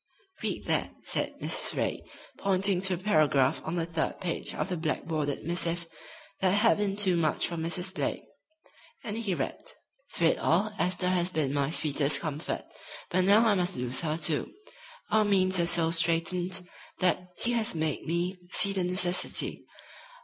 "Read that," said Mrs. Ray, pointing to a paragraph on the third page of the black bordered missive that had been too much for Mrs. Blake. And he read: "Through it all Esther has been my sweetest comfort, but now I must lose her, too. Our means are so straitened that she has made me see the necessity.